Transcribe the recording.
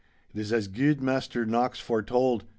It is as guid Maister Knox foretold.